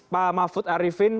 pak mahfud arifin